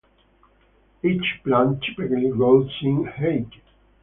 Each plant typically grows in height.